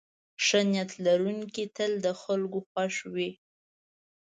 ښه نیت لرونکی تل د خلکو خوښ وي.